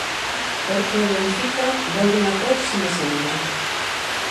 Porto e Benfica volven a próxima semana.